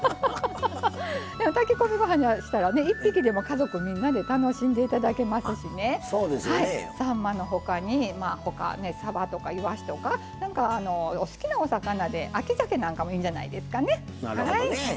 炊き込みご飯にしたら１匹でも家族みんなで楽しんでいただけますしさんまのほかにさばとか、いわしとかお好きなお魚で秋じゃけなんかもいいんじゃないですかね。